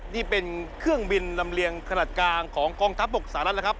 นี่เป็นเครื่องบินลำเลียงขนาดกลางของกองทัพบกสหรัฐแล้วครับ